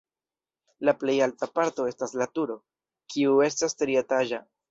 La plej alta parto estas la turo, kiu estas trietaĝa.